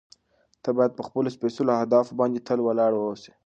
ته باید په خپلو سپېڅلو اهدافو باندې تل ولاړ واوسې.